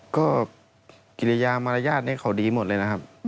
ก็กิริยามารยาทนี้เขาดีหมดเลยนะครับ